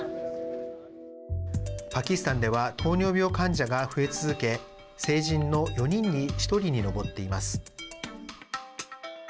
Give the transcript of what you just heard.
パキスタンでは糖尿病患者が増え続け成人の４人に１人に上っています。